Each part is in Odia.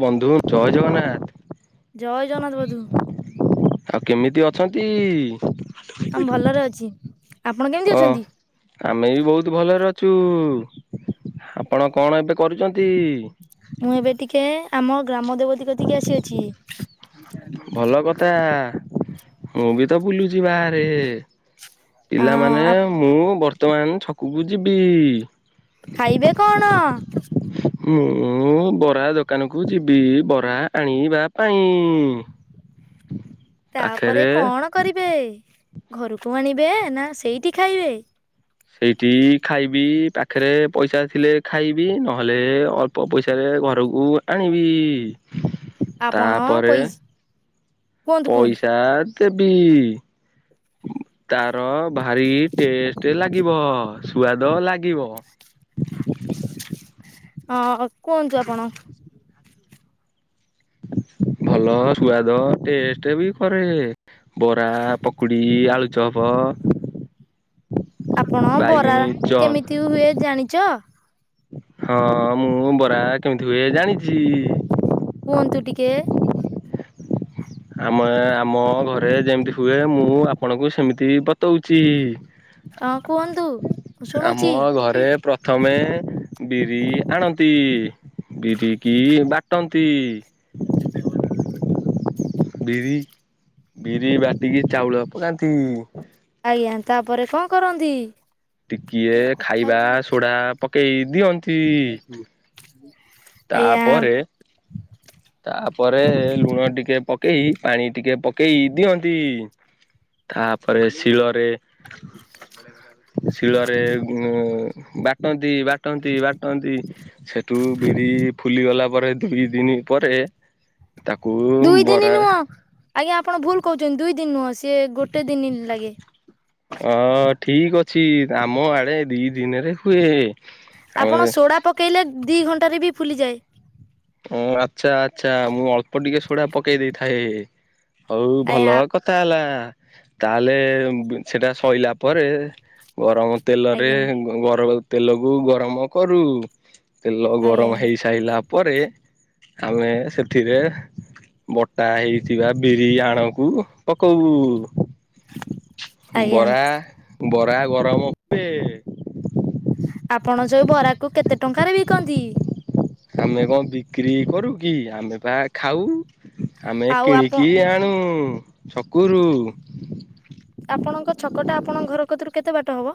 ବନ୍ଧୁ ଜୟ ଜଗନ୍ନାଥ ଜୟ ଜଗନ୍ନାଥ ବନ୍ଧୁ ଆଉ କେମିତି ଅ ଅଛନ୍ତି ଆମେ ଭଲରେ ଅଛି ଆପଣ କେମିତି ହଁ ଅଛନ୍ତି? ଆମେ ବି ବୋହୁତ ଭଲରେ ଅଛୁ। ଆପଣ କଣ ଏବେ କରୁଛନ୍ତି? ମୁଁ ଏବେ ଟିକେ ଆମ ଗ୍ରାମ ଦେବତୀ କେତିକି ଆସିଅଛି। ଭଲ କଥା ମୁଁ ବି ତ ବୁଲୁଚି ବାହାରେ। ଅଁ ପିଲାମାନେ ଆ- ମୁଁ ବର୍ତ୍ତମାନ ଛକକୁ ଯିବି। ଖାଇବେ କଣ? ମୁଁ ମୁଁ ବରା ଦୋକାନକୁ ଯିବି ବରା ଆଣିବା ପାଇଁ। ତାପରେ ପାଖରେ କଣ କରିବେ? ଘରକୁ ଆଣିବେ ନା ସେଇଠି ଖାଇବେ? ସେଇଠି ଖାଇବି ପାଖରେ ପଇସା ଥିଲେ ଖାଇବି ନହେଲେ ଅଳ୍ପ ପଇସାରେ ଘରକୁ ଆଣିବି। ଆପଣ ତାପରେ ପଇସ୍ ପଇସା ଦେବି ତାର ଭାରି ଟେଷ୍ ଷ୍ଟେ ଲାଗିବ ସୁଆଦ ଲାଗିବ। ଅ କୁହନ୍ତୁ ଆପଣ? ଭଲ ସୁଆଦ, ଟେଷ୍ଟ ବି କରେ ବରା, ପକୁଡି, ଆଳୁଚପ ଆପଣ ବରା ବାଇଗଣୀ ଚପ କେମିତି ହୁଏ ଜାଣିଚ? ହଁ, ମୁଁ ବରା କେମିତି ହୁଏ ଜାଣିଚି। କୁହନ୍ତୁ ଟିକେ? ଆମେ ଆମ ଘରେ ଯେମିତି ହୁଏ, ମୁଁ ଆପଣଙ୍କୁ ସେମିତି ବତଉଚି। ହଁ କୁହନ୍ତୁ ମୁଁ ଆମ ଶୁଣୁଛି ଘରେ ପ୍ରଥମେ ବିରି ଆଣନ୍ତି, ବିରି କିି ବାଟ ଟନ୍ତି ବିରି, ବିରି ବାଟିକି ଚାଉଳ ପକାନ୍ତି ଆଜ୍ଞା ତାପରେ କଣ କରନ୍ତି? ଟିକିଏ କେମିତି କଥା ଖାଇବା ହଉଥିଲି ସୋଢା ପକେଇ ଦିଅନ୍ତି। ଆଜ୍ଞା ତାପରେ ତାପରେ ଲୁଣ ଟିକେ ପକେଇ, ପାଣି ଟିକେ ପକେଇ ଦିଅନ୍ତି। ତାପରେ ଶିଳରେ ଶିଳରେ ଉମ୍ ବାଟନ୍ତି, ବାଟନ୍ତି, ବାଟନ୍ତି, ସେଠୁ ବିରି ଫୁଲି ଗଲା ପରେ, ଦୁଇ ଦିନି ପରେ ତାକୁ ଦୁଇ ଦିନି ବରା ନୁହଁ, ଆଜ୍ଞା ଆପଣ ଭୁଲ କହୁଛନ୍ତି ଦୁଇ ଦିନ ନୁହଁ, ସିଏ ଗୋଟେ ଦିନି ଲାଗେ। ଅ ଠିକ ଅଛି। ଆମ ଆଡେ ଦି ଦିନରେ ହୁଏ। ଆପଣ ଆମେ ସୋଡ଼ା ପକେଇଲେ ଦି ଘଣ୍ଟାରେ ବି ଫୁଲିଯାଏ। ଆଚ୍ଛା ଆଚ୍ଛା। ମୁଁ ଅଳ୍ପ ଟିକେ ସୋଢା ପକେଇ ଦେଇଥାଏ ହଉ ଭଲ ଆଜ୍ଞା କଥା ହେଲା। ତାହେଲେ ସେଟା ସଇଲା ପରେ ଗରମ ତେଲରେ, ଆଜ୍ଞା ଗରମ ତେଲକୁ ଗରମ କରୁ। ତେଲ ଆଜ୍ଞା। ଗରମ ହେଇସାଇଲା ପରେ, ଆମେ ସେଥିରେ ବଟା ହେଇଥିବା ବିରି ଆଣକୁ ପକଉ। ଆଜ୍ଞା ବରା, ବରା ଗରମ ପେ ଆପଣ ଯୋଉ ବରାକୁୁ କେତେ ଟଙ୍କାରେ ବିକନ୍ତି? ଆମେ କଣ ବିକ୍ରି କରୁ କି, ଆମେ ବା ଖାଉ। ଆମେ ଆଉ ଆପଣ କିଣିକି ଆଣୁ, ଛକୁରୁ। ଆପଣଙ୍କ ଛକଟା ଆପଣଙ୍କ ଘର କତୁରୁ କେତେ ବାଟ ହବ?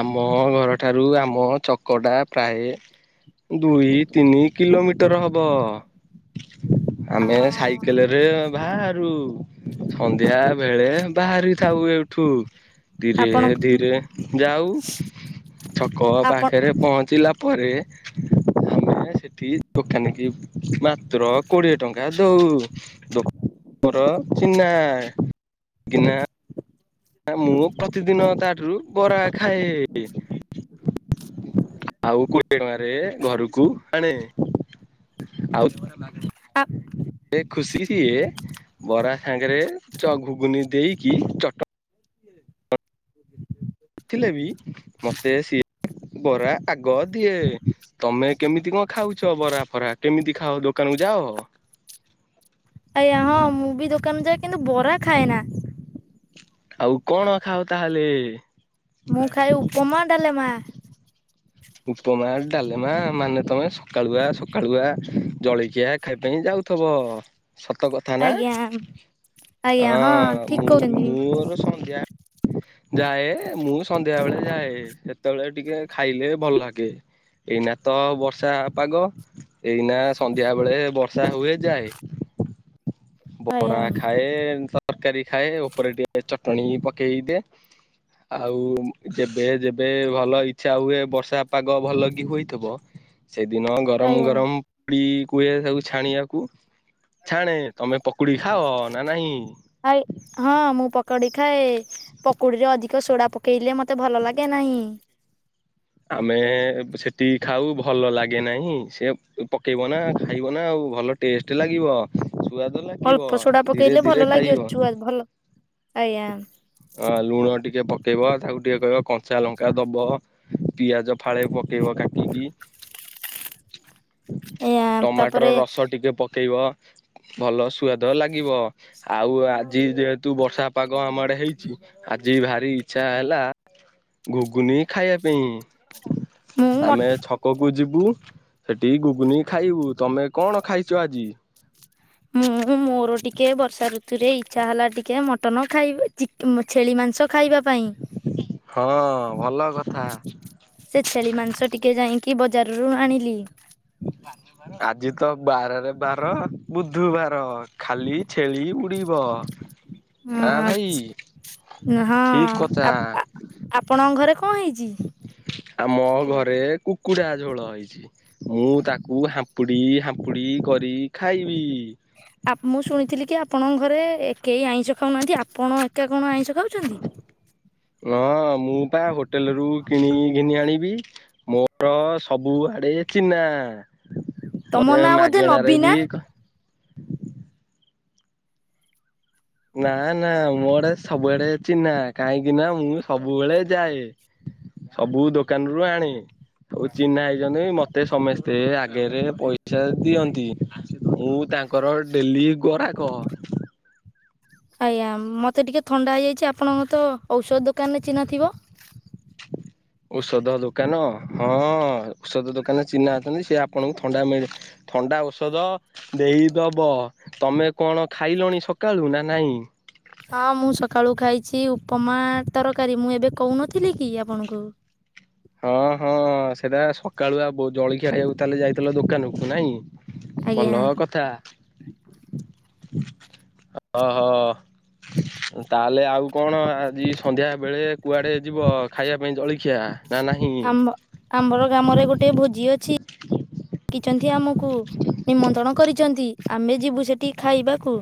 ଆମ ଘର ଠାରୁ ଆମ ଛକଟା ପ୍ରାୟେ ଦୁଇ ତିନି କିଲୋମିଟର ହବ। ଆମେ ସାଇକେଲରେ ବାହାରୁ। ସନ୍ଧ୍ୟାବେଳେ ବାହାରି ଥାଉ ଏଇଠୁ, ଧୀରେ ଆପଣ ଧୀରେ ଯାଉ, ଛକ ଆପଣ ପାଖରେ ପହଞ୍ଚିଲା ପରେ ଆମେ ସେଠି ଦୋକାନୀ କି ମାତ୍ର କୋଡ଼ିଏ ଟଙ୍କା ଦଉ। ଦୋକାନ ମୋର ଚିହ୍ନା। କିନା କାରଣ ମୁଁ ପ୍ରତିଦିନ ତାଠୁରୁ ବରା ଖାଏ, ଆଉ କୋ କୋଡ଼ିଏ ଟଙ୍କାରେ ଘରକୁ ଆଣେ। ଆଉ ମୋର [unintelligible] ଆ ସେ ଖୁସି ସିଏ, ବରା ସାଙ୍ଗରେ ଚ ଘୁଘୁନି ଦେଇକି, ଚଟନି ନୀ ଥିଲେ ବି ମତେ ସିଏ ବରା ଆଗ ଦିଏ। ତମେ କେମିତି କଣ ଖାଉଚ? ବରା ଫରା କେମିତି ଖାଅ ଦୋକା ଦୋକାନକୁ ଯାଅ? ଆଜ୍ଞା ହଁ। ମୁଁ ବି ଦୋକାନକୁ ଯାଏ କିନ୍ତୁ ବରା ଖାଏନା। ଆଉ କଣ ଖାଅ ତାହେଲେ? ମୁଁ ଖାଏ ଉପମା, ଡାଲେମା। ଉପମା ଡାଲେମା ମାନେ ତମେ ସକାଳୁଆ ସକାଳୁଆ ଜଳଖିଆ ଖାଇବା ପାଇଁ ଯାଉଥିବ। ସତକଥା ନା। ଆଜ୍ଞା ଆଜ୍ଞା ହଁ ଠିକ ମୁଁ କହୁଛନ୍ତି। ମୋର ସନ୍ଧ୍ୟା ଯାଏ ମୁଁ ସନ୍ଧ୍ୟା ବେଳେ ଯାଏ ସେତେବେଳେ ଟିକେ ଖାଇଲେ ଭଲ ଲାଗେ। ଏଇନା ତ ବର୍ଷା ପାଗ ଏଇନା ସନ୍ଧ୍ୟା ବେଳେ ବର୍ଷା ହୁଏ ଯାଏ। ଆଜ୍ଞା ବରା ଖାଏ ତରକାରୀ ଖାଏ ଉପରେ ଟିକେ ଚଟନି। ପାଣି ପକେଇ ଦେ ଆଉ ଯେବେ ଯେବେ ଭଲ ଇଛା ହୁଏ ବର୍ଷା ପାଗ ଭଲ କି ହଇଥିବ। ସେଦିନ ଗରମ ଆଜ୍ଞା। ଗରମ ପୁରି କୁହେ ତାବକୁ ଛାଣିବାକୁ। ଆରେ ଛାଣେ ତମେ ପକୁଡ଼ି ଖାଅ ନା ନହିଁ? କ କଡି ଖାଏ ପକୁଡିରେ ଅଧିକ ସୋଡା ପକେଇଲେ ମତେ ଭଲ ଲାଗେ ନାହିଁ। ଆମେ ସେଠି ଖାଉ ଭଲ ଲାଗେ ନାହିଁ ସେ ପକେଇବ ନା ଖାଇବ ନା ଆଉ। କୁ ଭଲ ଟେଷ୍ଟ ଲାଗିବ। ସୁଆଦ ଲାଗିବ ଅଳ୍ପ ସୋଡା ଧୀରେ ପକେଇଲେ ଧୀରେ ଭଲ ଲାଗି ଖାଇବ ଅଛୁ ଭଲ ଆଜ୍ଞା। ଅ ଲୁଣ ଟିକେ ପକେଇବ ତାକୁ ଟିକେ କହିବ କଞ୍ଚା ଲଙ୍କା ଦବ ପିଆଜ ଫାଳେ ପକ ଦେବ କାଟିିକି। ଆଜ୍ଞା ଟମାଟର ତାପରେ ରସ ଟିକେ ପକେଇବ। ଭଲ ସୁଆଦ ଲାଗିବ ଆଉ ଆଜି ଯେହେତୁ ବର୍ଷା ପାଗ ଆମର ହେଇ ଆଜି ଭାରି ଇଚ୍ଛା ହେଲା ଘୁଗୁନି ଖାଇବା ପାଇଁ। ମୁଁ ମ ଆମେ ଛକକୁ ଯିବୁ ସେଠି ଗୁଗୁନି ଖାଇବୁ ତମେ କଣ ଖାଇଛ ଆଜି। ମୁଁ। ମୋର ଟିକେ ବର୍ଷା ଋତୁରେ ଇଚ୍ଛା ହେଲା ଟିକେ ମଟନ ଚି ଖାଇ ଛେଳି ମାଂସ ଖାଇବା ପାଇଁ ହଁ ଭଲ କଥା ସେ ଛେଳି ମାଂସ ଟିକେ ଯାଇ କି ବଜାର ରୁ ଆଣିଲି। ଆଜି ତ ବାରରେ ବାର। ବୁଧବାର ଖାଲି ଛେଳି ଉଡ଼ିବ ନା ଭାଇ। ହଁ ଠିକ କଥା ହଁ ଆପଣଙ୍କ ଘରେ କଣ ହେଇଛି। ଆମ ଘରେ କୁକୁଡା ଝୋଳ ହେଇଛି ମୁଁ ତାକୁ ହାମ୍ପୁଡି ହାମ୍ପୁଡ଼ି ପକୁଡି କରି ଖାଇବି। ଆ ମୁଁ ଶୁଣିଥିଲି କି ଆପଣଙ୍କ ଘରେ କେହି ଆଇଁଷ ଖାଉନାହାନ୍ତି ଆପଣ ଏକା କଣ ଆଇଁଷ ଖାଉଛନ୍ତି। ହଁ ମୁଁ ତା ହୋଟେଲ ରୁ କିଣି ଘିନି ଆଣିବି ମୋର ସବୁଆଡେ ଚିହ୍ନା। ତମ ମତେ ନାଁ ବୋଧେ ନବୀନା ମାଗେଣାରେବି। ନା ନା ମୋଡେ ସବୁବେଡ ଚିହ୍ନା କାହିଁକି ନା ମୁଁ ସବୁବେଳେ ଯାଏ। ସବୁ ଦୋକାନରୁ ଆଣି। ଆଉ ଚିହ୍ନା ହେଇଛନ୍ତି ମତେ ସମସ୍ତେ ଆଗରେ ପଇସା ଦିଅନ୍ତି। ମୁଁ ତାଙ୍କର ଡେଲି ଗରା କହ। ଆଜ୍ଞା ମତେ ଟିକେ ଥଣ୍ଡା ହେଇଯାଇଛି ଆପଣଙ୍କ ତ ଔଷଧ ଦୋକାନ ରେ ଚିହ୍ନ ଥିବ। ଔଷଧ ଦୋକାନ ହଁ ଔଷଧ ଦୋକାନ ଚିହ୍ନା ଅଛନ୍ତି ସେ ଆପଣଙ୍କୁ ଥଣ୍ଡା ମିଳେ ଥଣ୍ଡା ଔଷଧ ଦେଇଦବ ତମେ କଣ ଖାଇଲଣି ସକାଳୁ ନା ନାଇଁ। ହଁ ମୁଁ ସକାଳୁ ଖାଇଛି ଉପମା ତରକାରୀ ମୁଁ ଏବେ କହୁନଥିଲି କି ଆପଣଙ୍କୁ। ହ। ହଁ ହଁ ସେଟା ସକାଳୁ ଆଉ ଜଳଖିଆ ହେଇକୁ ତାହେଲେ ଯାଇଥିଲ ଦୋକାନକୁ ନାଇଁ। ଭଲ ଆଜ୍ଞା କଥା। ଓହୋ ତାହେଲେ ଆଉ କଣ ଆଜି ସନ୍ଧ୍ୟା ବେଳେ କୁଆଡେ ଯିବ ଖାଇବା ପାଇଁ ଜଳଖିଆ। ନା ନାହିଁ? ଆ ଆମର ଗ୍ରାମରେ ଗୋଟେ ଭୋଜି ଅଛି କିଛନ୍ତି ଆମକୁ। କୁ ନିମନ୍ତ୍ରଣ କରିଛନ୍ତି ଆମେ ଯିବୁ ସେଠି ଖାଇବାକୁ।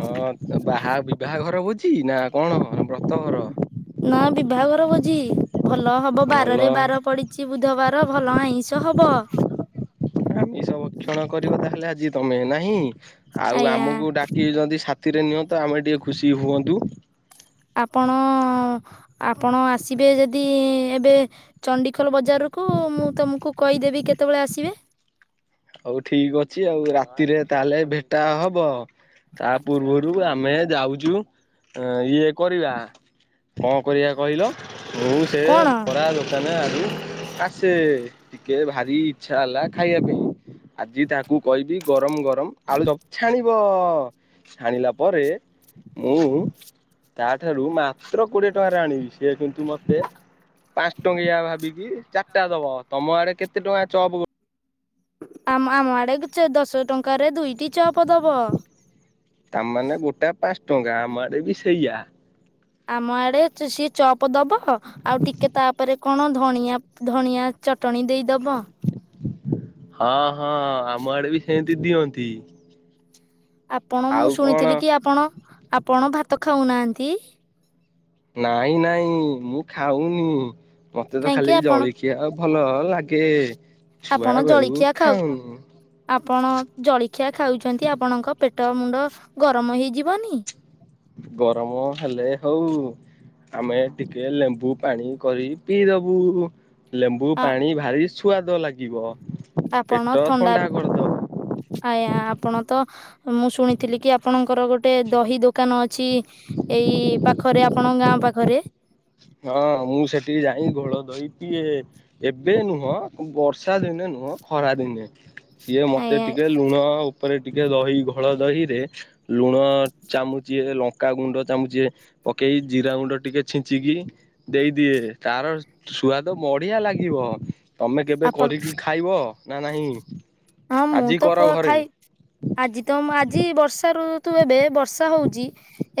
ହଁ ବାହା ବିବାହ ଘର ହଉଛି ନା କଣ ବ୍ରତ। ନା ବିବାହଘର ଭୋଜି ଭଲ ହବ ଭଲ ବାରରେ ବାର ପଡିଛି ବୁଧବାର ଭଲ ଆଇଁଷ ହବ ଆମେ ସବୁ କ୍ଷଣ କରିବ ତାହେଲେ ଆଜି ତମେ ନାହିଁ ଆଉ ଆଜ୍ଞା। ଆମକୁ ଡାକି ଯଦି। ସ୍ଥିରେ ନିଅନ୍ତ ଆମେ ଟିକିେ ଖୁସି ହୁଅନ୍ତୁ। ଆପଣ ଆପଣ ଆସିବେ ଯଦି ଏବେ ଚଣ୍ଡିଖୋଲ ବଜାରରୁ। ମୁଁ ତମକୁ କହିଦେବି କେତେବେଳେ ଆସିବେ। ହଉ ଠିକ ଅଛି ଆଉ ରାତିରେ ତାହେଲେ ଭେଟା ହବ ଆ। ତା ପୂର୍ବରୁ ଆମେ ଯାଉଛୁ। ହ ଇଏ କରିବା କଣ କରିବା କହିଲ। ବହୁ ସେ କଣ ଭରା ଦୋକାନ ଆ ଆସ ିକେ ଭାରି ଇଚ୍ଛା ହେଲା ଖାଇବା ପାଇଁ ଆଜି ତାକୁ କହିବି ଗରମ ଗରମ ଆଳୁ ସବୁ ଛାଣିବ ଛାଣିଲା ପରେ ମୁଁ ତା ଠାରୁ ମାତ୍ର କୋଡିଏ ଟଙ୍କାରେ ଆଣିବି ସି କିନ୍ତୁ ମତେ ପାଞ୍ଚ ଟଙ୍କାଇଆ ଭାବିକି ଚାରିଟା ଦବ ତମ ଆଡେ କେତେ ଟଙ୍କା ଚପ ଆମ ଆମ ଆଡେ ଦଶ ଟଙ୍କାରେ ଦୁଇଟି ଉଚ୍ଚ ପଦବ ତାମାନେ ଗୋଟା ପାଞ୍ଚ ଟଙ୍କା ମାଡ଼େ ବି ସେଇଆ ଆମ ଆଡେ ସିଏ ଚପ ଦବ ଆଉ ଟିକେ ତାପରେ କଣ ଧଣିଆ ଧଣିଆ ଚଟଣି ଦେଇଦବ ହଁ ହଁ ଆମ ଆଡେ ବି ସେମିତି ଦିଅନ୍ତି ଆପଣ ମୁଁ ଆଉ କଣ ଶୁଣିଥିଲି କି ଆପଣ ଆପଣ ଭାତ ଖାଉନାହାନ୍ତି ନାଇଁ ନାଇଁ ମୁଁ ଖାଉନି ମତେ ତ କାହିଁକି ଖାଲି ଆପଣ ଜଳଖିଆ ଆଉ ଭଲ ଲାଗେ ଛୁଆ ଆପଣ ବେଳୁ ଜଳଖିଆ ଖାଉ ଖାଉନୁ ଆପଣ ଜଳଖିଆ ଖାଉଛନ୍ତି ଆପଣଙ୍କ ପେଟ ହଟ ମୁଣ୍ଡ ଗରମ ହେଇଯିବନି ଗରମ ହେଲେ ହଉ ଆମେ ଟିକେ ଲେମ୍ବୁ ପାଣି କରି ପିଇଦବୁ ଲେମ୍ବୁ ଆ ପାଣି ଭାରି ସୁଆାଦ ଲାଗିବ ଆପଣ ପେଟ ଥଣ୍ଡା କରିଦବ। ଆଜ୍ଞା ଆପଣ ତ ମୁଁ ଶୁଣିଥିଲି କି ଆପଣଙ୍କର ଗୋଟେ ଦହି ଦୋକାନ ଅଛି ଅଛି ଏଇ ପାଖରେ ଆପଣଙ୍କ ଗାଁ ପାଖରେ ହଁ ମୁଁ ସେଠିକି ଯାଇ ଘୋଳ ଦେଇଈ ଟିକଏ ଏବେ ନୁହଁ ବର୍ଷା ଦିନେ ନ ଖରା ଦିନେ ସିଏ ମତେ ଆଜ୍ଞା ଟିକେ ଲୁଣ ତାପରେ ଟିକେ ଦହି ଘୋଳ ଦହିରେ ଲୁଣ ଚାମୁଚି ଲଙ୍କା ଗୁଣ୍ଡ ଚାମୁଚ ପକେଇ ଜିରା ଗୁଣ୍ଡ ଟିକିେ ଛିଞ୍ଚିକି ଦେଇଦିଏ ତାର ସୁଆଦ ବଢିଆ ଲାଗିବ ତମେ କେବେ ଆପଣ କରିକି ଖାଇବ ନା ନାହିଁ ହଁ ମୁଁ ଆଜି ତ କର ପୁ ଘରେ। ଖାଇ ଆଜି ତ ଆଜି ବର୍ଷାରୁ ତୁ ଏବେ ବର୍ଷା ହଉଛି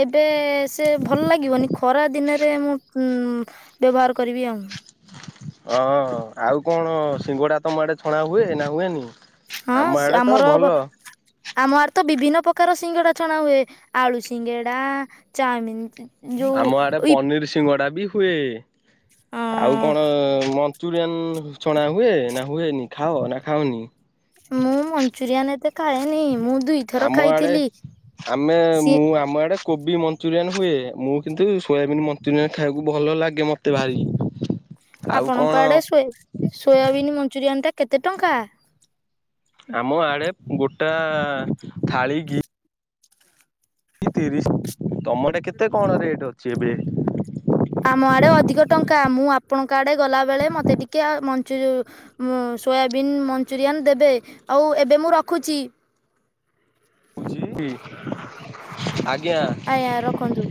ଏବେ ସେ ଭଲ ଲାଗିବନି ଖରା ଦିନରେ ମୁଁ ଁ ବ୍ୟବହାର କରିବି ଆଉ ଅଁ ଆଉ କଣ ସିଙ୍ଗଡା ତମ ଆଡେ ଛଣା ହୁଏ ନା ହୁଏନି ହଁ ଆମ ସେ ଆଡେ ତ ଆମର ଭଲ ଆମ ଆର ତ ବିଭିନ୍ନ ପ୍ରକାର ସିଙ୍ଗଡ଼ା ଛଣା ହୁଏ ଆଳୁ ସିଙ୍ଗଡ଼ା ଚାଉମିନ୍ ଆମ ଆଡେ ପନିର ସିଙ୍ଗଡା ବି ହୁଏ ଆଉ କଣ ମଞ୍ଚୁରିଆନ ଶଣା ହୁଏ ନା ହୁଏନି ଖାଅ ନା ଖାାଉନି ମୁଁ ମଞ୍ଚୁରିଆନ ଏତେ ଖାଏନି ମୁଁ ଦୁଇଥର ଆମ ଆଡେ ଖାଇଥିଲି ଆମେ ସିଏ ମୁଁ ଆମ ଆଡେ କୋବି ମଞ୍ଚୁରିଆନ ହୁଏ ମୁଁ କିନ୍ତୁ ସୋୟାବନ୍ ମଞ୍ଚୁରିୟାନ୍ ଖାଇବାକୁ ଭଲ ଲାଗେ ମତେ ଭାରି। ଆଉ କଣ ଆପଣଙ୍କ ଆଡେ ସୋଏ ସୋୟାବିନ୍ ମଞ୍ଚୁରିଆନ ଟା କେତେ ଟଙ୍କା। ଆମ ଆଡେ ଗୋଟା ଥାଳି କି। ତିରିଶ ତମ ଆଡେ କେତେ କଣ ରେଟ ଅଛି ଏବେ। ଆମ ଆଡେ ଅଧିକ ଟଙ୍କା ମୁଁ ଆପଣଙ୍କ ଆଡେ ଗଲାବେଳେ ମତେ ଟିକେ ଆ ମନଚୁ ଉ। ସୋୟାବିନ୍ ମଞ୍ଚୁରିଆନ୍ ଦେବେ ଆଉ ଏବେ ମୁଁ ରଖୁଛି। ମୁ ଜି ବି ଆ। ଆଜ୍ଞା ରଖନ୍ତୁ।